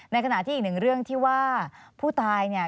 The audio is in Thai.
ขณะที่อีกหนึ่งเรื่องที่ว่าผู้ตายเนี่ย